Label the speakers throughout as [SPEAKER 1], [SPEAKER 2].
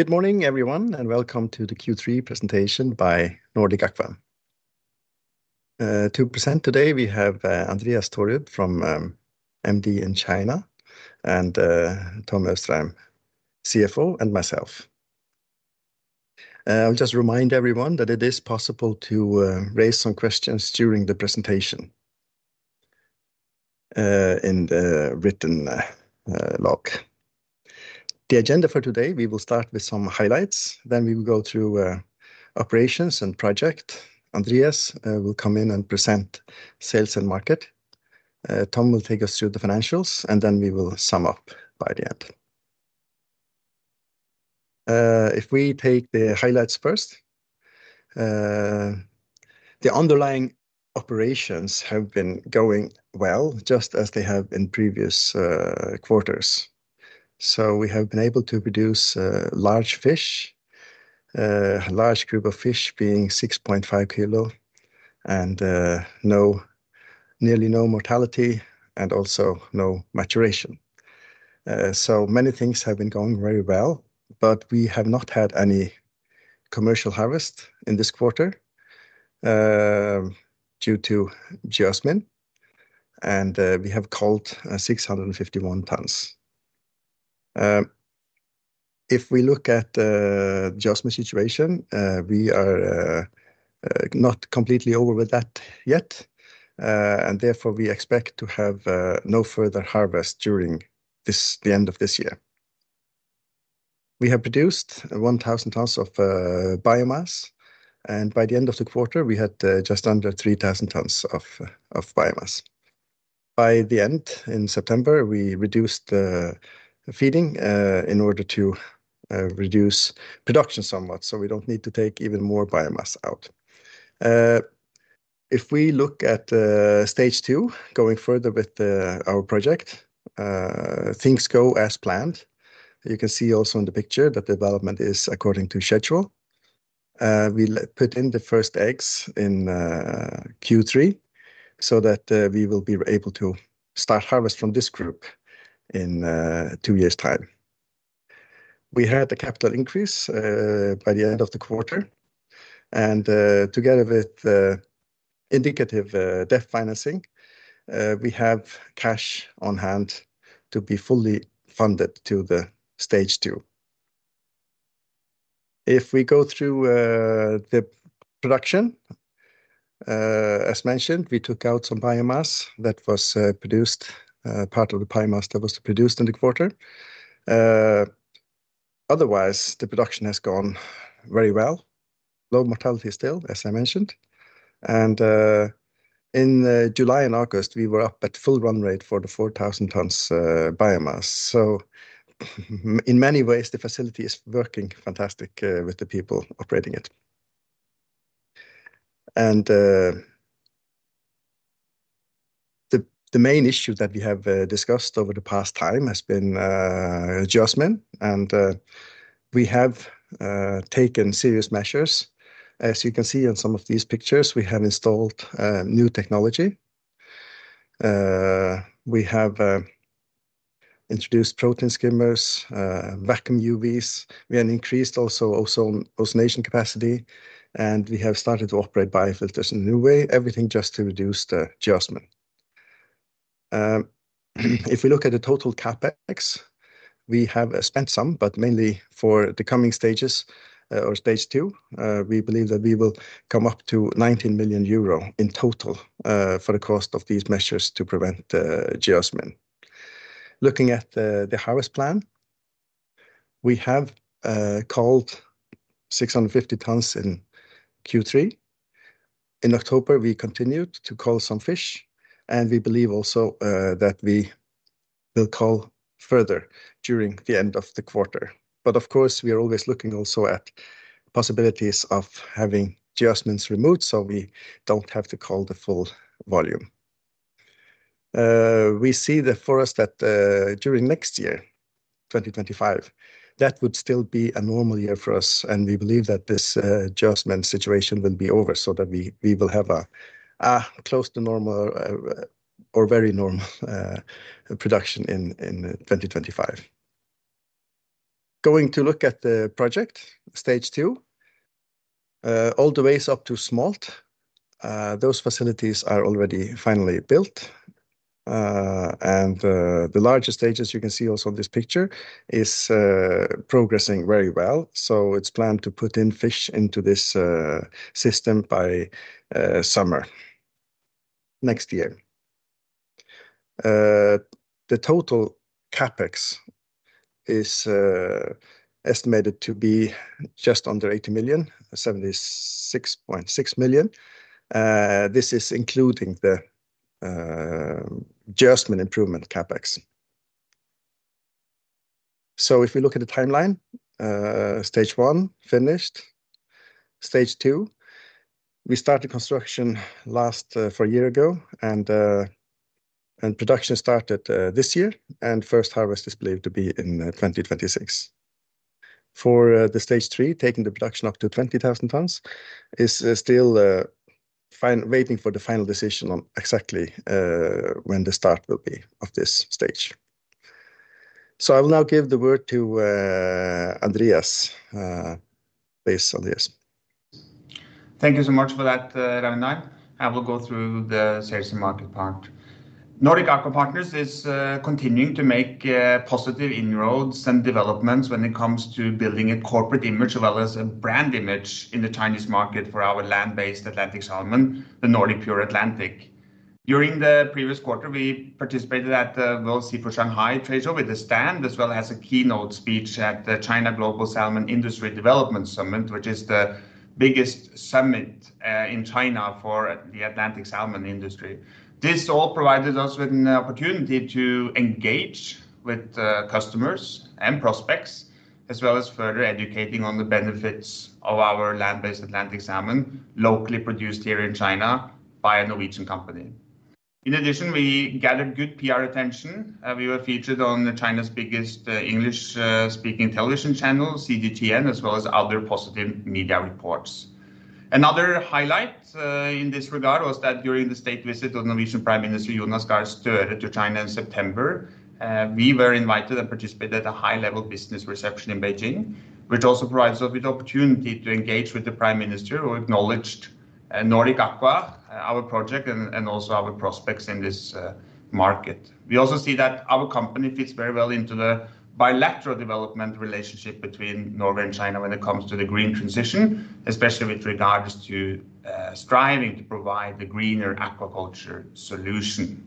[SPEAKER 1] Good morning, everyone, and welcome to the Q3 presentation by Nordic Aqua. To present today, we have Andreas Thorud, MD in China, and Tom Austrheim, CFO, and myself. I'll just remind everyone that it is possible to raise some questions during the presentation in the written log. The agenda for today: we will start with some highlights, then we will go through operations and project. Andreas will come in and present sales and market. Tom will take us through the financials, and then we will sum up by the end. If we take the highlights first, the underlying operations have been going well, just as they have in previous quarters. So we have been able to produce large fish, a large group of fish being 6.5 kilo, and nearly no mortality, and also no maturation. So many things have been going very well, but we have not had any commercial harvest in this quarter due to geosmin, and we have culled 651 tons. If we look at the geosmin situation, we are not completely over with that yet, and therefore we expect to have no further harvest during the end of this year. We have produced 1,000 tons of biomass, and by the end of the quarter, we had just under 3,000 tons of biomass. By the end, in September, we reduced the feeding in order to reduce production somewhat, so we don't need to take even more biomass out. If we look at stage two, going further with our project, things go as planned. You can see also in the picture that development is according to schedule. We put in the first eggs in Q3 so that we will be able to start harvest from this group in two years' time. We had a capital increase by the end of the quarter, and together with indicative debt financing, we have cash on hand to be fully funded to the stage two. If we go through the production, as mentioned, we took out some biomass that was produced, part of the biomass that was produced in the quarter. Otherwise, the production has gone very well, low mortality still, as I mentioned, and in July and August, we were up at full run rate for the 4,000 tons biomass. So in many ways, the facility is working fantastic with the people operating it, and the main issue that we have discussed over the past time has been geosmin, and we have taken serious measures. As you can see on some of these pictures, we have installed new technology. We have introduced protein skimmers, vacuum UVs. We have increased also ozonation capacity, and we have started to operate biofilters in a new way, everything just to reduce the geosmin. If we look at the total CapEx, we have spent some, but mainly for the coming stages or stage two, we believe that we will come up to 19 million euro in total for the cost of these measures to prevent geosmin. Looking at the harvest plan, we have culled 650 tons in Q3. In October, we continued to cull some fish, and we believe also that we will cull further during the end of the quarter. But of course, we are always looking also at possibilities of having geosmins removed so we don't have to cull the full volume. We see that for us that during next year, 2025, that would still be a normal year for us, and we believe that this geosmin situation will be over so that we will have a close to normal or very normal production in 2025. Going to look at the project, stage two, all the ways up to smolt, those facilities are already finally built, and the larger stages, you can see also on this picture, is progressing very well. So it's planned to put in fish into this system by summer next year. The total Capex is estimated to be just under 80 million, 76.6 million. This is including the geosmin improvement Capex. So if we look at the timeline, stage one finished. Stage two, we started construction last for a year ago, and production started this year, and first harvest is believed to be in 2026. For the stage three, taking the production up to 20,000 tons is still waiting for the final decision on exactly when the start will be of this stage. So I will now give the word to Andreas. Please, Andreas.
[SPEAKER 2] Thank you so much for that, Ragnar. I will go through the sales and market part. Nordic Aqua Partners is continuing to make positive inroads and developments when it comes to building a corporate image as well as a brand image in the Chinese market for our land-based Atlantic salmon, the Nordic Pure Atlantic. During the previous quarter, we participated at the World Seafood Shanghai Trade Show with the stand, as well as a keynote speech at the China Global Salmon Industry Development Summit, which is the biggest summit in China for the Atlantic salmon industry. This all provided us with an opportunity to engage with customers and prospects, as well as further educating on the benefits of our land-based Atlantic salmon locally produced here in China by a Norwegian company. In addition, we gathered good PR attention. We were featured on China's biggest English-speaking television channel, CGTN, as well as other positive media reports. Another highlight in this regard was that during the state visit of Norwegian Prime Minister Jonas Gahr Støre to China in September, we were invited and participated at a high-level business reception in Beijing, which also provides us with the opportunity to engage with the Prime Minister who acknowledged Nordic Aqua, our project, and also our prospects in this market. We also see that our company fits very well into the bilateral development relationship between Norway and China when it comes to the green transition, especially with regards to striving to provide a greener aquaculture solution.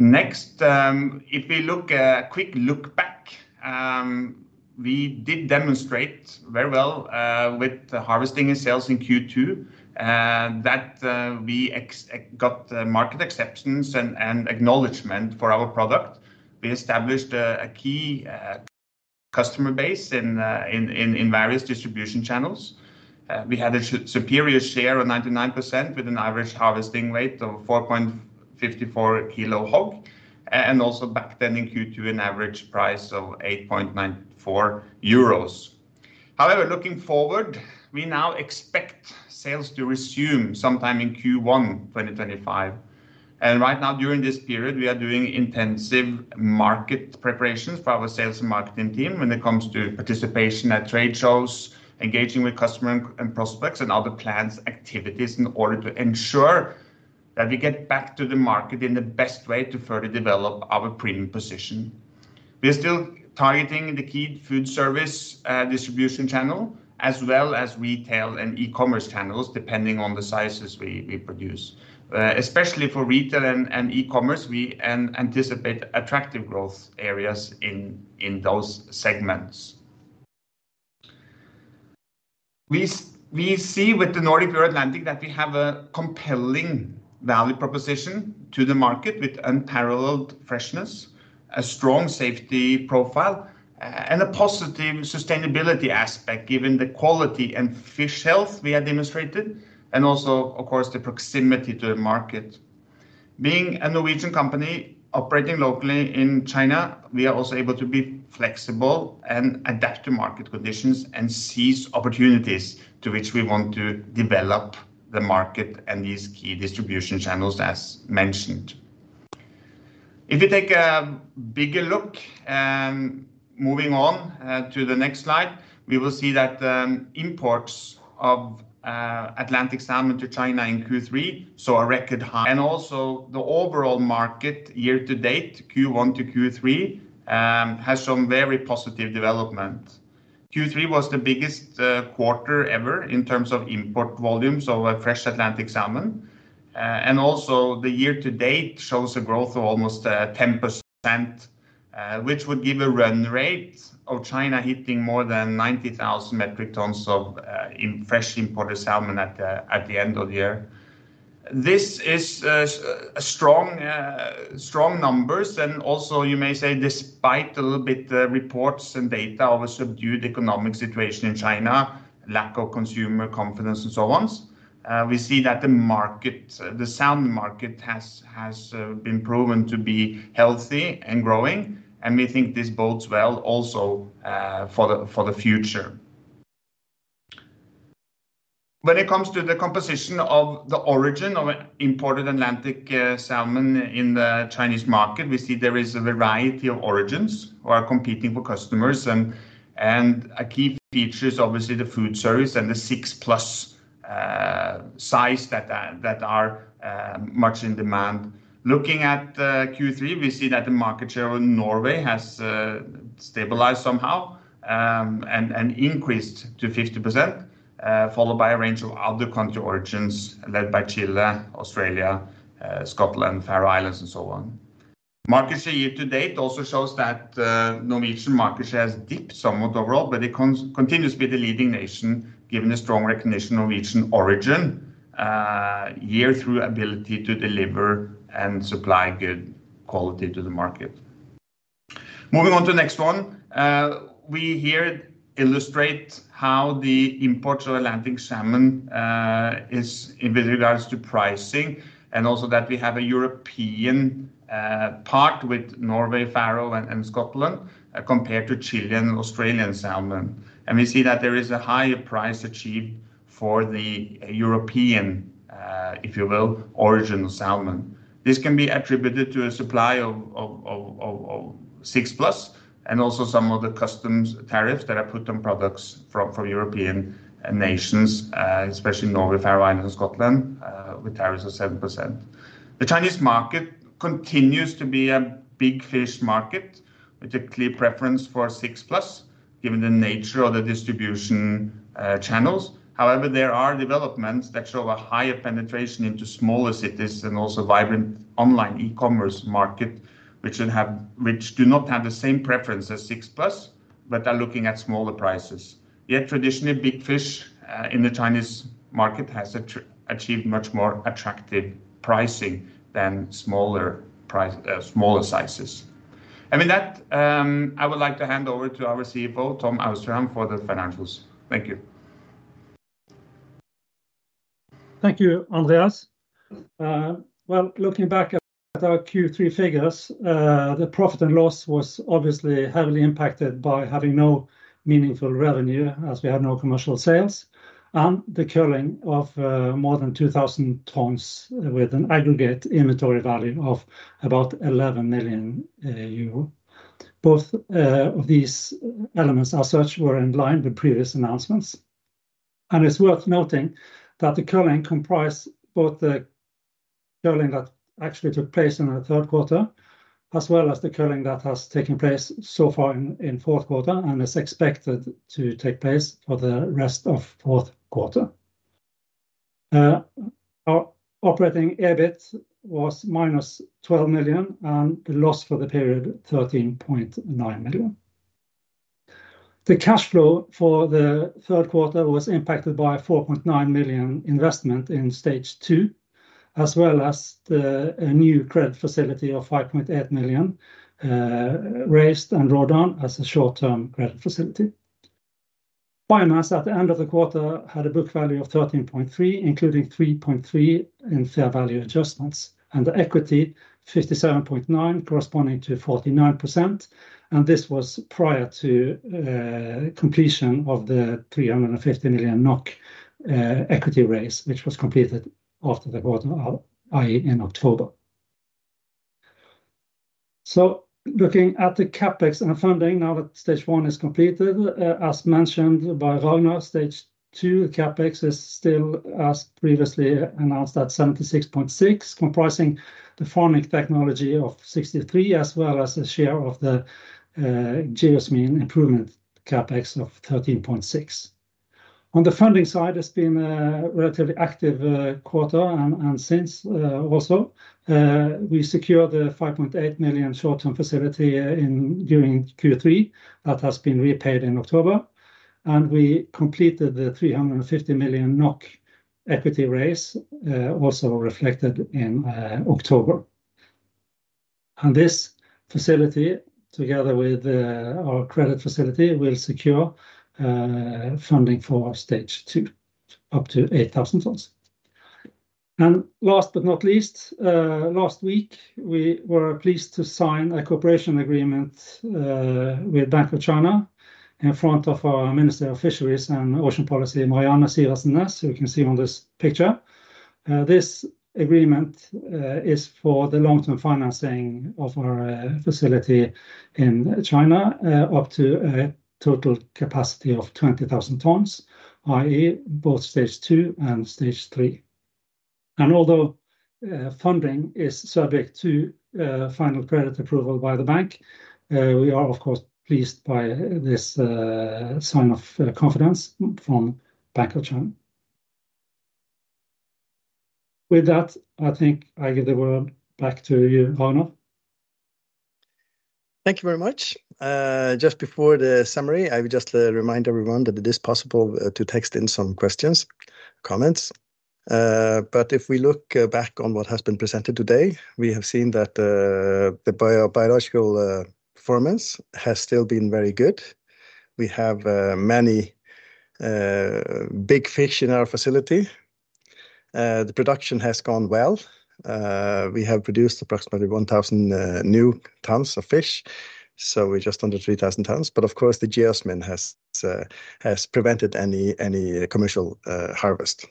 [SPEAKER 2] Next, if we look at a quick look back, we did demonstrate very well with harvesting and sales in Q2 that we got market acceptance and acknowledgement for our product. We established a key customer base in various distribution channels. We had a superior share of 99% with an average harvesting rate of 4.54 kilo HOG, and also back then in Q2, an average price of 8.94 euros. However, looking forward, we now expect sales to resume sometime in Q1 2025, and right now, during this period, we are doing intensive market preparations for our sales and marketing team when it comes to participation at trade shows, engaging with customers and prospects, and other plans and activities in order to ensure that we get back to the market in the best way to further develop our premium position. We're still targeting the key food service distribution channel, as well as retail and e-commerce channels, depending on the sizes we produce. Especially for retail and e-commerce, we anticipate attractive growth areas in those segments. We see with the Nordic Pure Atlantic that we have a compelling value proposition to the market with unparalleled freshness, a strong safety profile, and a positive sustainability aspect given the quality and fish health we have demonstrated, and also, of course, the proximity to the market. Being a Norwegian company operating locally in China, we are also able to be flexible and adapt to market conditions and seize opportunities to which we want to develop the market and these key distribution channels, as mentioned. If we take a bigger look and moving on to the next slide, we will see that the imports of Atlantic salmon to China in Q3 saw a record, and also the overall market year-to-date, Q1 to Q3, has shown very positive development. Q3 was the biggest quarter ever in terms of import volumes of fresh Atlantic salmon. And also the year-to-date shows a growth of almost 10%, which would give a run rate of China hitting more than 90,000 metric tons of fresh imported salmon at the end of the year. This is strong numbers, and also you may say, despite a little bit of reports and data of a subdued economic situation in China, lack of consumer confidence, and so on, we see that the market, the salmon market, has been proven to be healthy and growing, and we think this bodes well also for the future. When it comes to the composition of the origin of imported Atlantic salmon in the Chinese market, we see there is a variety of origins who are competing for customers, and a key feature is obviously the food service and the six-plus size that are much in demand. Looking at Q3, we see that the market share in Norway has stabilized somehow and increased to 50%, followed by a range of other country origins led by Chile, Australia, Scotland, Faroe Islands, and so on. Market share year-to-date also shows that Norwegian market share has dipped somewhat overall, but it continues to be the leading nation given the strong recognition of Norwegian origin, year-through ability to deliver and supply good quality to the market. Moving on to the next one, we here illustrate how the imports of Atlantic salmon is with regards to pricing, and also that we have a European part with Norway, Faroe, and Scotland compared to Chilean and Australian salmon, and we see that there is a higher price achieved for the European, if you will, origin of salmon. This can be attributed to a supply of six-plus and also some of the customs tariffs that are put on products from European nations, especially Norway, Faroe Islands, and Scotland, with tariffs of 7%. The Chinese market continues to be a big fish market with a clear preference for six-plus given the nature of the distribution channels. However, there are developments that show a higher penetration into smaller cities and also vibrant online e-commerce market, which do not have the same preference as six-plus, but are looking at smaller prices. Yet traditionally, big fish in the Chinese market has achieved much more attractive pricing than smaller sizes. And with that, I would like to hand over to our CFO, Tom Austrheim, for the financials. Thank you.
[SPEAKER 3] Thank you, Andreas. Looking back at our Q3 figures, the profit and loss was obviously heavily impacted by having no meaningful revenue as we had no commercial sales and the culling of more than 2,000 tons with an aggregate inventory value of about 11 million euro. Both of these elements as such were in line with previous announcements. It's worth noting that the culling comprised both the culling that actually took place in the third quarter, as well as the culling that has taken place so far in fourth quarter and is expected to take place for the rest of fourth quarter. Our operating EBIT was minus 12 million, and the loss for the period, 13.9 million. The cash flow for the third quarter was impacted by 4.9 million investment in stage two, as well as a new credit facility of 5.8 million raised and drawn down as a short-term credit facility. Borrowings at the end of the quarter had a book value of 13.3, including 3.3 in fair value adjustments, and the equity 57.9, corresponding to 49%, and this was prior to completion of the 350 million NOK equity raise, which was completed after the quarter, i.e., in October, so looking at the CapEx and funding now that stage one is completed, as mentioned by Ragnar, stage two CapEx is still, as previously announced, at 76.6, comprising the farming technology of 63, as well as a share of the geosmin improvement CapEx of 13.6. On the funding side, it's been a relatively active quarter, and since also, we secured the 5.8 million short-term facility during Q3 that has been repaid in October, and we completed the 350 million NOK equity raise, also reflected in October. And this facility, together with our credit facility, will secure funding for stage two, up to 8,000 tons. And last but not least, last week, we were pleased to sign a cooperation agreement with Bank of China in front of our Minister of Fisheries and Ocean Policy, Marianne Sivertsen Næss, who you can see on this picture. This agreement is for the long-term financing of our facility in China, up to a total capacity of 20,000 tons, i.e., both stage two and stage three. And although funding is subject to final credit approval by the bank, we are, of course, pleased by this sign of confidence from Bank of China. With that, I think I give the word back to you, Ragnar.
[SPEAKER 1] Thank you very much. Just before the summary, I would just remind everyone that it is possible to text in some questions, comments. But if we look back on what has been presented today, we have seen that the biological performance has still been very good. We have many big fish in our facility. The production has gone well. We have produced approximately 1,000 new tons of fish, so we're just under 3,000 tons. But of course, the geosmin has prevented any commercial harvest.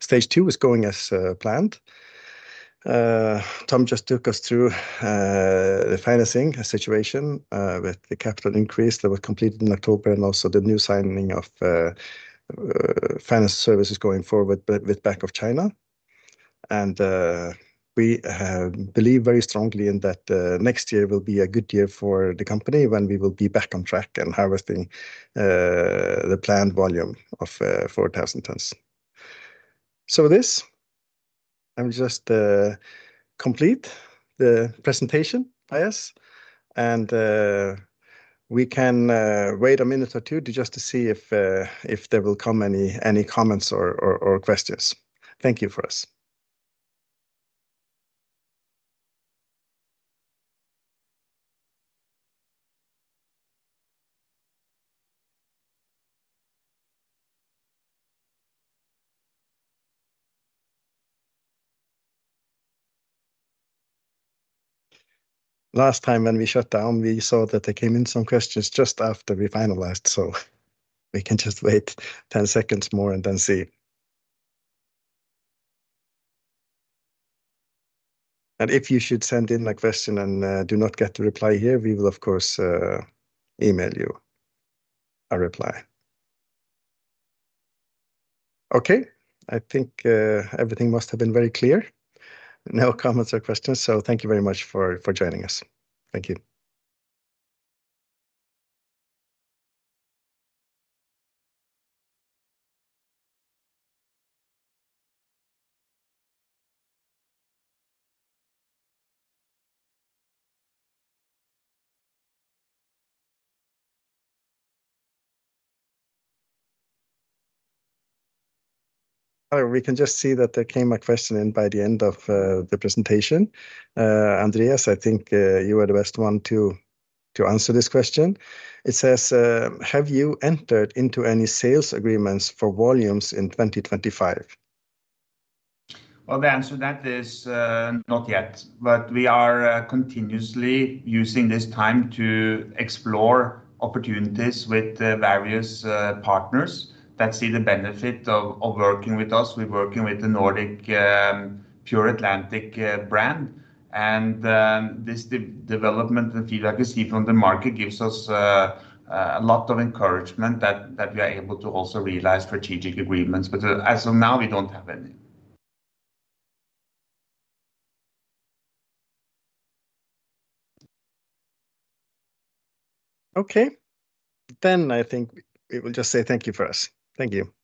[SPEAKER 1] Stage two is going as planned. Tom just took us through the financing situation with the capital increase that was completed in October and also the new signing of finance services going forward with Bank of China. And we believe very strongly that next year will be a good year for the company when we will be back on track and harvesting the planned volume of 4,000 tons. So with this, I'm just complete the presentation, I guess, and we can wait a minute or two just to see if there will come any comments or questions. Thank you for us. Last time when we shut down, we saw that there came in some questions just after we finalized, so we can just wait 10 seconds more and then see. And if you should send in a question and do not get the reply here, we will, of course, email you a reply. Okay, I think everything must have been very clear. No comments or questions, so thank you very much for joining us. Thank you. We can just see that there came a question in by the end of the presentation. Andreas, I think you are the best one to answer this question. It says, "Have you entered into any sales agreements for volumes in 2025?
[SPEAKER 2] The answer to that is not yet, but we are continuously using this time to explore opportunities with various partners that see the benefit of working with us. We're working with the Nordic Pure Atlantic brand, and this development and feedback we see from the market gives us a lot of encouragement that we are able to also realize strategic agreements. But as of now, we don't have any.
[SPEAKER 1] Okay, then I think we will just say thank you for us. Thank you.